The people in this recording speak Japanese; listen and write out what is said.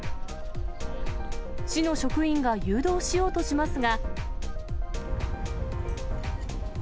市の職員が誘導しようとしますが。